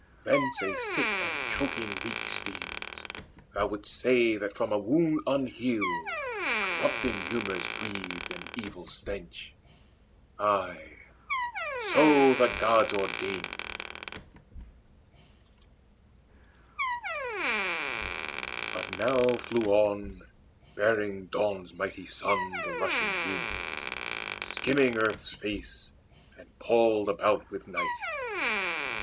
Thence a sick and choking reek Steams: thou wouldst say that from a wound unhealed Corrupting humours breathed an evil stench. Ay, so the Gods ordained: but now flew on Bearing Dawn's mighty son the rushing winds Skimming earth's face and palled about with night.